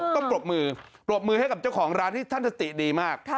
ปรบมือปรบมือให้กับเจ้าของร้านที่ท่านสติดีมาก